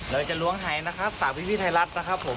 เราจะล้วงหายสาวพี่พี่ไทรัฐนะครับผม